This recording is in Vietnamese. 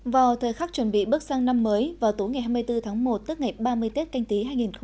vào thời khắc chuẩn bị bước sang năm mới vào tối ngày hai mươi bốn tháng một tức ngày ba mươi tết canh tí hai nghìn hai mươi